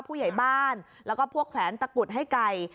ผู้ใหญ่บ้านแล้วก็พวกแขวนตะกุดให้ไก่